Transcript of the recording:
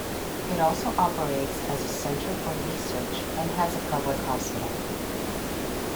It also operates as a center for research and has a public hospital.